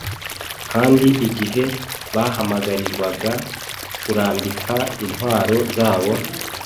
kandi igihe bahamagarirwaga kurambika intwaro zabo,